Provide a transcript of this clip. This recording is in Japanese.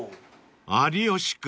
［有吉君